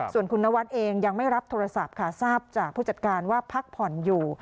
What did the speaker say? ส่วนคุณนวัดเองยังไม่รับโทรศัพท์ค่ะทราบจากผู้จัดการว่าพักผ่อนอยู่